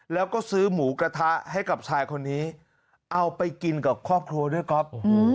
แล้วก็ซื้อหมูกระทะให้กับชายคนนี้เอาไปกินกับครอบครัวด้วยก๊อฟ